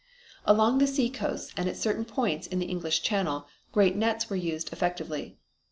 Along the sea coasts and at certain points in the English Channel great nets were used effectively.